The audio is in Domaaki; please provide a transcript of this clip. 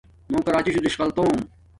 نو کراچی شُو دِݽقل توم۔